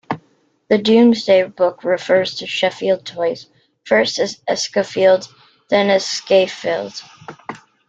The Domesday Book refers to Sheffield twice, first as "Escafeld", then later as "Scafeld".